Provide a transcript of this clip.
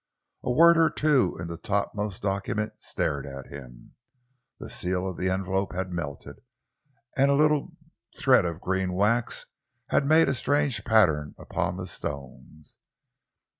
A word or two in the topmost document stared at him. The seal of the envelope had melted, and a little thread of green wax had made a strange pattern upon the stones.